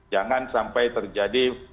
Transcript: jangan sampai terjadi